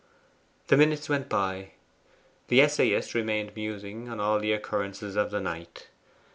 The minutes went by. The essayist remained musing on all the occurrences of the night.